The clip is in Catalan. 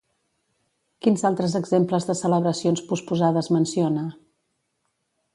Quins altres exemples de celebracions posposades menciona?